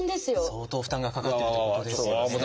相当負担がかかってるということですよね。